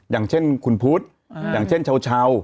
อย่างเช่นคุณพุทธอย่างเช่นเช้า